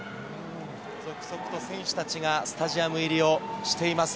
続々と選手たちがスタジアム入りをしています。